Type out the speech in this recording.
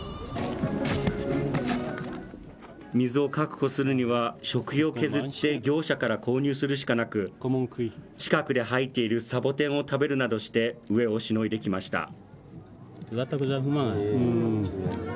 水を確保するには、食費を削って業者から購入するしかなく、近くで生えているサボテンを食べるなどして飢えをしのいできました。